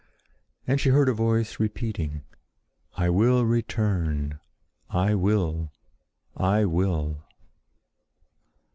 And she heard a voice repeating, "I will return! I will! I will!"